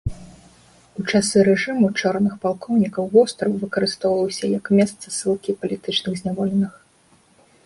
У часы рэжыму чорных палкоўнікаў востраў выкарыстоўваўся як месца ссылкі палітычных зняволеных.